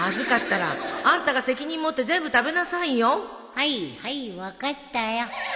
はいはい分かったよ